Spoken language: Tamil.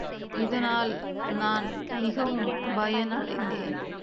இதனால் நான் மிகவும் பயனடைந்தேன்.